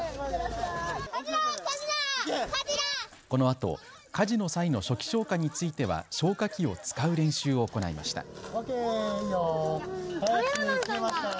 このあと火事の際の初期消火については消火器を使う練習を行いました。